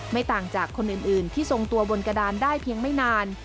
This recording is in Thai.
ไม่ต่างจากคนอื่นที่ทรงตัวบนกระดานได้เพียงไม่นาน